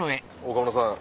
岡村さん